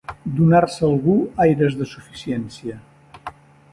Donar-se algú aires de suficiència.